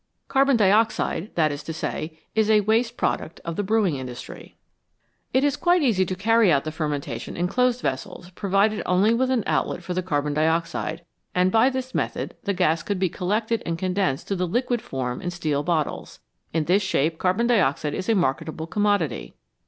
Carbon dioxide, that is to say, is a waste product of the brewing industry. 270 THE VALUE OF THE BY PRODUCT It is quite easy to carry out the fermentation in closed vessels provided only with an outlet for the carbon dioxide, and by this method the gas could be collected and condensed to the liquid form in steel bottles ; in this shape carbon dioxide is a marketable commodity.